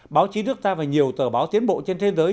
báo chí nước ta và nhiều tờ báo tiến bộ trên thế giới